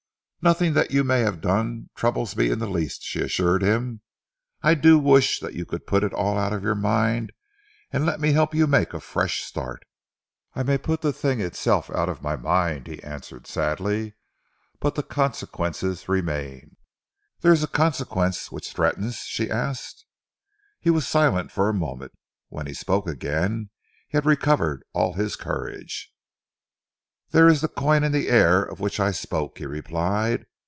"Nothing that you may have done troubles me in the least," she assured him. "I do wish that you could put it all out of your mind and let me help you to make a fresh start." "I may put the thing itself out of my mind," he answered sadly, "but the consequences remain." "There is a consequence which threatens?" she asked. He was silent for a moment. When he spoke again, he had recovered all his courage. "There is the coin in the air of which I spoke," he replied.